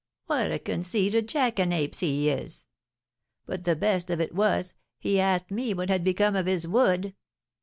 What a conceited jackanapes he is! But the best of it was, he asked me what had become of his wood!